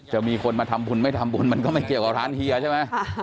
จะมีคนมาทำบุญไม่ทำบุญมันก็ไม่เกี่ยวกับร้านเฮียใช่ไหม